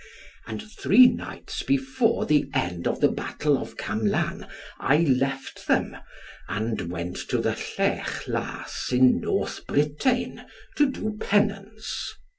And three nights before the end of the battle of Camlan I left them, and went to the Llech Las in North Britain to do penance.